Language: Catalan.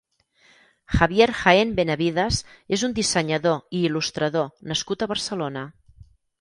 Javier Jaén Benavides és un dissenyador i il·lustrador nascut a Barcelona.